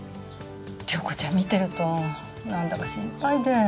遼子ちゃん見てるとなんだか心配で。